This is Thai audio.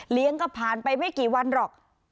เลี้ยงก็ผ่านไปไม่กี่วันหรอก